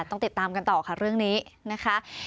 ต้องติดตามกันต่อค่ะเรื่องนี้นะคะ